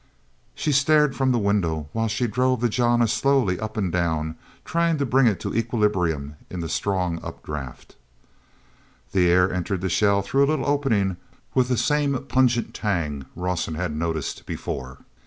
She stared from the windows while she drove the jana slowly up and down, trying to bring it to equilibrium in the strong up draft. The air entered the shell through a little opening with the same pungent tang Rawson had noticed before.